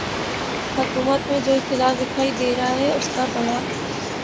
حکومت میں جو اختلاف دکھائی دے رہا ہے اس کا بڑا